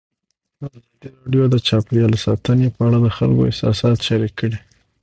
ازادي راډیو د چاپیریال ساتنه په اړه د خلکو احساسات شریک کړي.